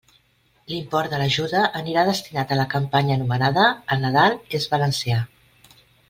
L'import de l'ajuda anirà destinat a la campanya anomenada «El Nadal és valencià».